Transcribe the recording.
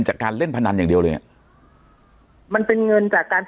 ปากกับภาคภูมิ